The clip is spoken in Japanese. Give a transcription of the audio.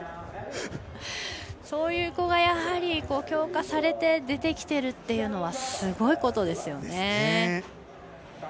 そういう子が、やはり強化されて出てきているっていうのはすごいことですよね。